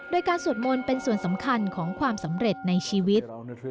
โดยการสวดมนต์เป็นส่วนสำคัญของความสำเร็จในชีวิต